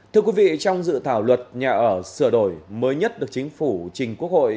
thưa quý vị trong dự thảo luật nhà ở sửa đổi mới nhất được chính phủ